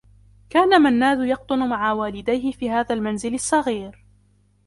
كان منّاد يقطن مع والديه في هذا المنزل الصّغير.